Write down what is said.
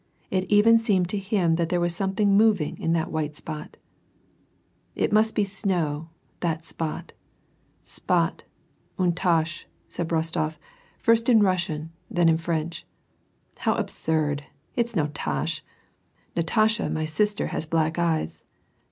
It even seemed to him that there was something moving on that white spot. "It must be snow, that spot; spot — une tache,^' said ^tof, first in Russian, then in French. " How absurd ; it's no tache — Natasha, my sister, has black eyes.